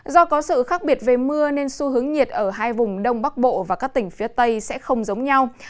do có sự khác biệt về mưa nên xu hướng nhiệt ở hai vùng đông bắc bộ và các tỉnh phía tây sẽ không giống nhau